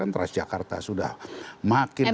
teras jakarta sudah makin hari